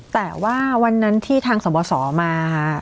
แต่ว่าวันนั้นที่ทางสบสอมา